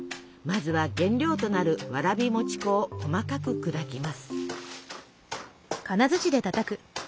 まずは原料となるわらび餅粉を細かく砕きます。